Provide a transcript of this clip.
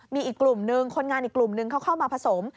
มีอีกกลุ่มนึงคนงานอีกกลุ่มนึงเขาเข้ามาผสม